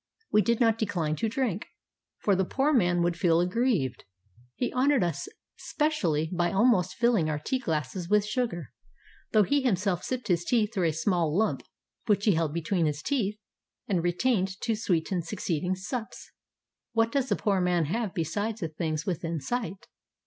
We did not decline to drink, for the poor man would feel aggrieved. He honored us specially by almost filling our tea glasses with sugar, though he himself sipped his tea through a small lump which he held be tween his teeth and retained to sweeten succeeding sups. What does a poor man have besides the things within sight?